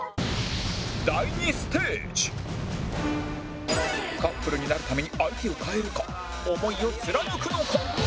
第２ステージカップルになるために相手を変えるか思いを貫くのか？